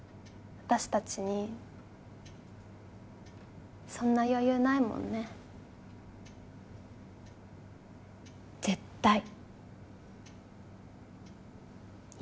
私達にそんな余裕ないもんね絶対夢